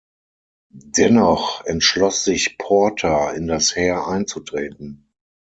Dennoch entschloss sich Porter, in das Heer einzutreten.